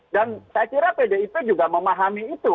dan saya kira pdip juga memahami itu